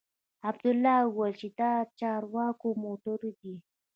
عبدالله وويل چې دا د چارواکو موټرې دي.